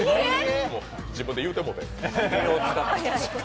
自分で言うてもうたやん。